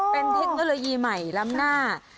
เป็นเทคโนโลยีใหม่ล้ำหน้า